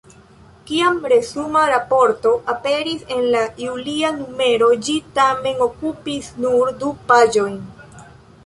Kiam resuma raporto aperis en la julia numero, ĝi tamen okupis nur du paĝojn.